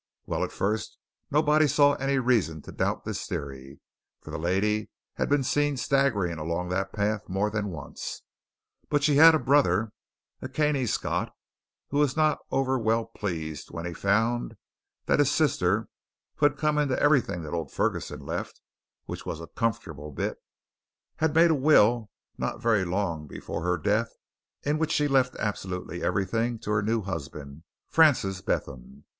"Well, at first nobody saw any reason to doubt this theory, for the lady had been seen staggering along that path more than once. But she had a brother, a canny Scot who was not over well pleased when he found that his sister who had come into everything that old Ferguson left, which was a comfortable bit had made a will not very long before her death in which she left absolutely everything to her new husband, Francis Bentham.